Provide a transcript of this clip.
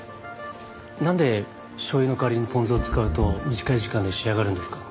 なんでしょう油の代わりにポン酢を使うと短い時間で仕上がるんですか？